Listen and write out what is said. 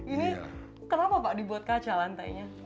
ini kenapa pak dibuat kaca lantainya